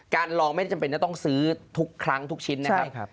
ลองไม่ได้จำเป็นจะต้องซื้อทุกครั้งทุกชิ้นนะครับ